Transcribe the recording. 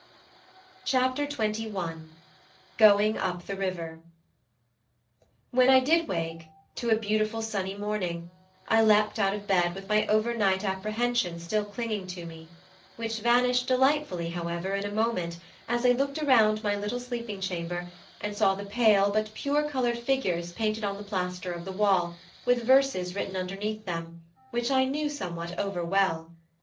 CHAPTER XXI: GOING UP THE RIVER When I did wake, to a beautiful sunny morning, I leapt out of bed with my over night apprehension still clinging to me, which vanished delightfully however in a moment as I looked around my little sleeping chamber and saw the pale but pure coloured figures painted on the plaster of the wall, with verses written underneath them which I knew somewhat over well.